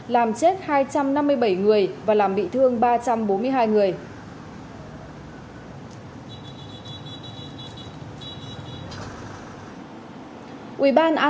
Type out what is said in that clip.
làm chết và mất tích chín người